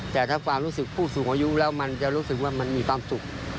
แต่ถ้าความรู้สึกผู้สูงอายุแล้วมันจะรู้สึกว่ามันมีความสุข